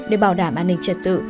để bảo đảm an ninh trật tự